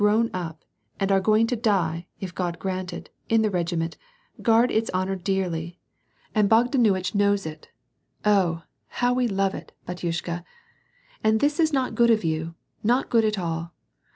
169 grown up and are going to die, if God grant, in the regiment, guard its honor dearly, and Bogdanuitch knows it. Oh ! how we love it, batynshka ! And this is not good of you, not good at all